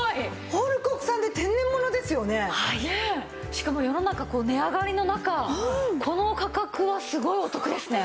しかも世の中値上がりの中この価格はすごいお得ですね。